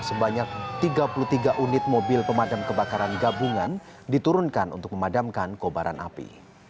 sebanyak tiga puluh tiga unit mobil pemadam kebakaran gabungan diturunkan untuk memadamkan kobaran api